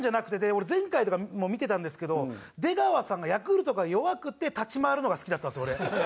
俺前回とかも見てたんですけど出川さんがヤクルトが弱くて立ち回るのが好きだったんです俺。